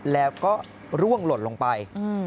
แล้วก็ร่วงหล่นลงไป